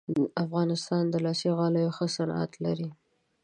افغانستان د لاسي غالیو ښه صنعت لري